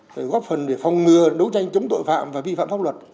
để góp phần để phòng ngừa đấu tranh chống tội phạm và vi phạm pháp luật